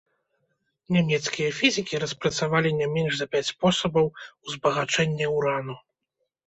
Нямецкія фізікі распрацавалі не менш за пяць спосабаў узбагачэння ўрану.